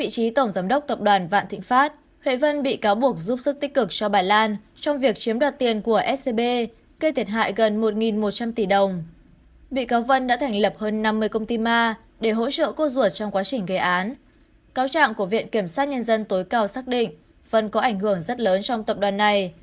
cáo trạng của viện kiểm sát nhân dân tối cao xác định phần có ảnh hưởng rất lớn trong tập đoàn này